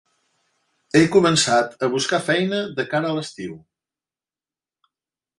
He començat a buscar feina de cara a l'estiu.